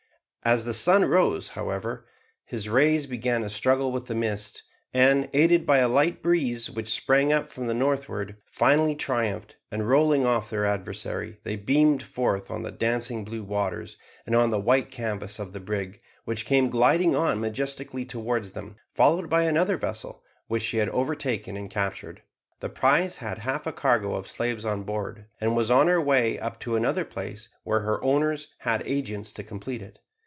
As the sun rose, however, his rays began a struggle with the mist, and, aided by a light breeze which sprung up from the northward, finally triumphed, and rolling off their adversary, they beamed forth on the dancing blue waters, and on the white canvas of the brig, which came gliding on majestically towards them, followed by another vessel, which she had overtaken and captured. The prize had half a cargo of slaves on board, and was on her way up to another place where her owners had agents to complete it.